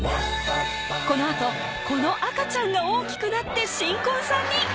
このあとこの赤ちゃんが大きくなって新婚さんに！